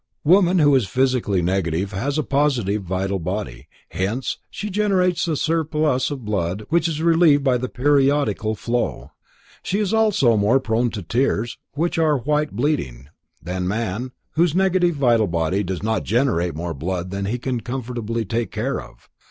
Woman who is physically negative has a positive vital body, hence she generates a surplus of blood which is relieved by the periodical flow. She is also more prone to tears, which are white bleeding, than man, whose negative vital body does not generate more blood than he can comfortably take care of.